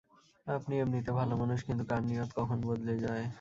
আপনি এমনিতে ভালো মানুষ, কিন্তু কার নিয়ত, কখন বদলে যায়।